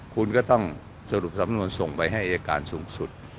คุณก็ต้องสรุปสำนวนส่งไปให้อายการสูงสุด